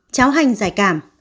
cháo hành giải cảm